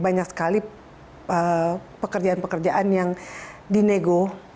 banyak sekali pekerjaan pekerjaan yang dinego